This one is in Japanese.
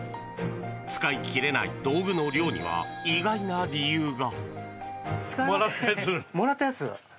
使いきれない道具の量には意外な理由が。